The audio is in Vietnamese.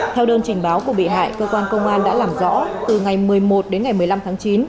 theo đơn trình báo của bị hại cơ quan công an đã làm rõ từ ngày một mươi một đến ngày một mươi năm tháng chín